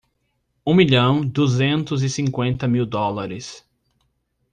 Um milhão duzentos e cinquenta mil dólares.